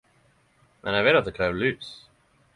Men eg veit at det krever lys.